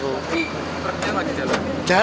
truknya lagi jalan